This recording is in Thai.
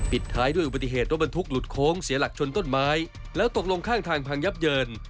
ท้ายด้วยอุบัติเหตุรถบรรทุกหลุดโค้งเสียหลักชนต้นไม้แล้วตกลงข้างทางพังยับเยิน